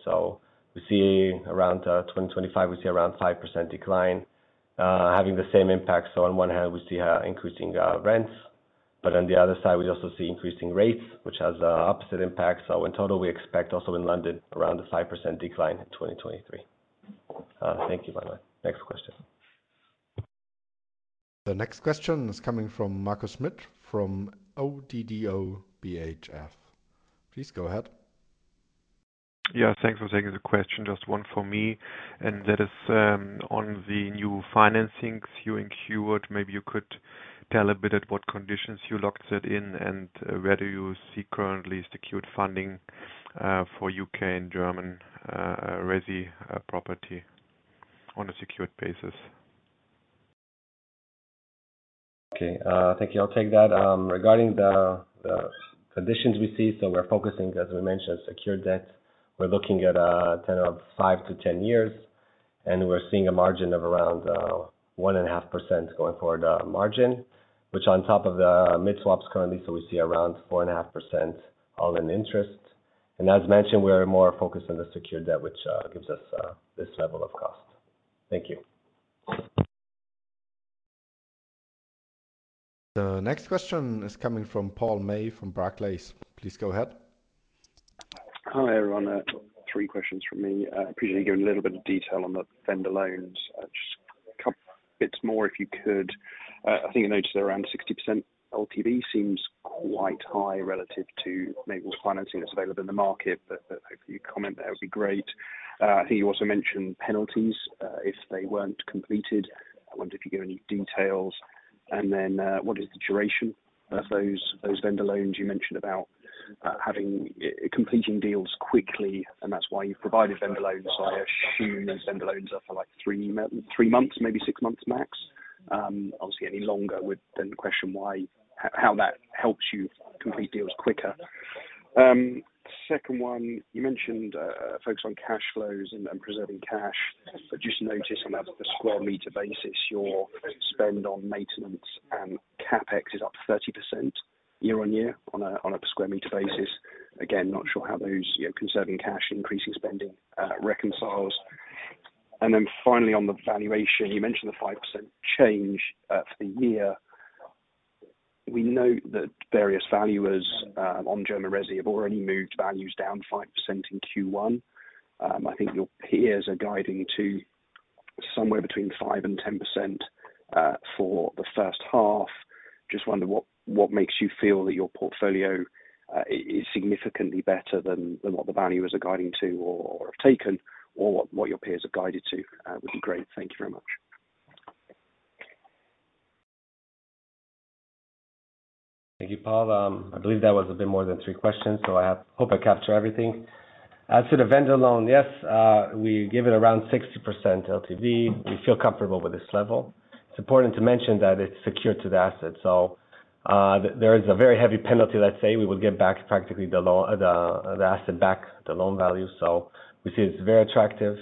We see around 2025, we see around 5% decline having the same impact. On one hand, we see increasing rents. On the other side, we also see increasing rates, which has opposite impact. In total, we expect also in London, around a 5% decline in 2023. Thank you very much. Next question. The next question is coming from Marcus Smith from ODDO BHF. Please go ahead. Yeah, thanks for taking the question. Just one for me, and that is on the new financings you incurred. Maybe you could tell a bit at what conditions you locked it in, and where do you see currently secured funding for U.K. and German resi property on a secured basis? Okay. Thank you. I'll take that. Regarding the conditions we see, we're focusing, as we mentioned, secured debt. We're looking at a term of 5-10 years, and we're seeing a margin of around 1.5% going forward, margin. Which on top of the mid-swaps currently, we see around 4.5% all in interest. As mentioned, we're more focused on the secured debt, which gives us this level of cost. Thank you. The next question is coming from Paul May from Barclays. Please go ahead. Hi, everyone. Three questions from me. Appreciate you giving a little bit of detail on the vendor loans. Just a couple bits more if you could. I think you noted around 60% LTV seems quite high relative to maybe what's financing that's available in the market. Hopefully you comment, that would be great. I think you also mentioned penalties if they weren't completed. I wonder if you could give any details. What is the duration of those vendor loans? You mentioned about completing deals quickly, and that's why you've provided vendor loans. I assume those vendor loans are for three months, maybe six months max? Obviously, any longer would then question why, how that helps you complete deals quicker. Second one, you mentioned a focus on cash flows and preserving cash. Just notice on a square meter basis, your spend on maintenance and CapEx is up 30% year-on-year on a per square meter basis. Again, not sure how those conserving cash, increasing spending reconciles. Finally, on the valuation, you mentioned the 5% change for the year. We know that various valuers on German resi have already moved values down 5% in Q1. I think your peers are guiding to somewhere between 5% and 10% for the first half. Just wonder what makes you feel that your portfolio is significantly better than what the valuers are guiding to or have taken, or what your peers have guided to. Would be great. Thank you very much. Thank you, Paul. I believe that was a bit more than three questions, so I hope I capture everything. As to the vendor loan, yes, we give it around 60% LTV. We feel comfortable with this level. It's important to mention that it's secured to the asset. There is a very heavy penalty, let's say, we will get back practically the asset back, the loan value. We see it's very attractive.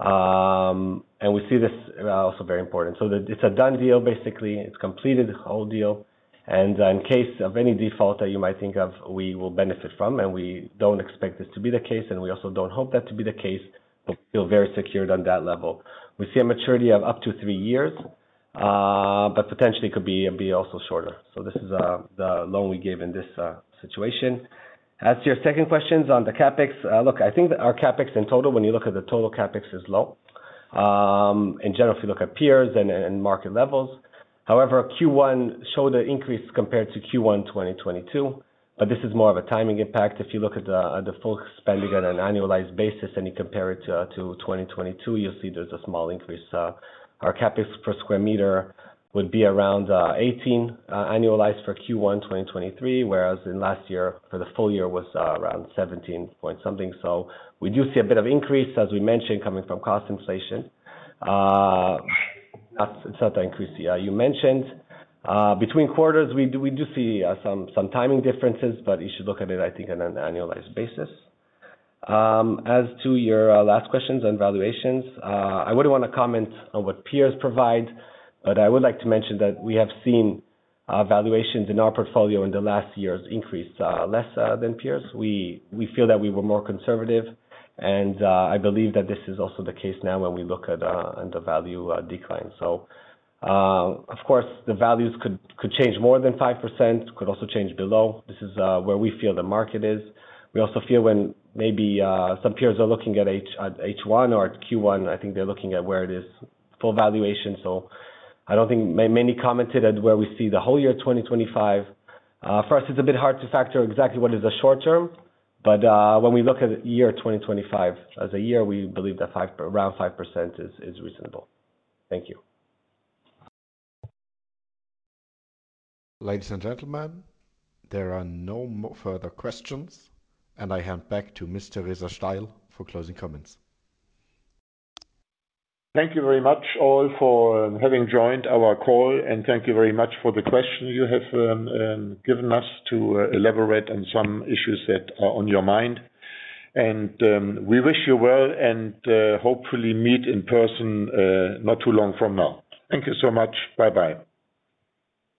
We see this also very important. It's a done deal, basically. It's completed the whole deal. In case of any default that you might think of, we will benefit from, and we don't expect this to be the case, and we also don't hope that to be the case. We feel very secured on that level. We see a maturity of up to three years. Potentially could be also shorter. This is the loan we gave in this situation. As to your second questions on the CapEx. Look, I think our CapEx in total, when you look at the total CapEx is low. In general, if you look at peers and market levels. However, Q1 showed an increase compared to Q1 2022, but this is more of a timing impact. If you look at the full spending on an annualized basis and you compare it to 2022, you'll see there's a small increase. Our CapEx per square meter would be around 18 annualized for Q1 2023, whereas in last year for the full year was around 17 point something. We do see a bit of increase, as we mentioned, coming from cost inflation. It's not the increase you mentioned. Between quarters, we do see some timing differences, but you should look at it, I think, on an annualized basis. As to your last questions on valuations. I wouldn't want to comment on what peers provide, but I would like to mention that we have seen valuations in our portfolio in the last years increase less than peers. We feel that we were more conservative, and I believe that this is also the case now when we look at the value decline. Of course the values could change more than 5%, could also change below. This is where we feel the market is. We also feel when maybe some peers are looking at H1 or at Q1, I think they're looking at where it is full valuation. I don't think many commented at where we see the whole year 2025. For us, it's a bit hard to factor exactly what is the short term. When we look at year 2025 as a year, we believe that around 5% is reasonable. Thank you. Ladies and gentlemen, there are no further questions, and I hand back to Mr. Refael Zamir for closing comments. Thank you very much all for having joined our call, and thank you very much for the questions you have given us to elaborate on some issues that are on your mind. We wish you well, and hopefully meet in person not too long from now. Thank you so much. Bye-bye.